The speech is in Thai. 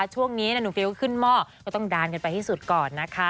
ช่วงนี้หนุ่มฟิลขึ้นหม้อก็ต้องดานกันไปที่สุดก่อนนะคะ